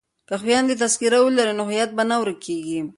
که خویندې تذکره ولري نو هویت به نه ورکيږي.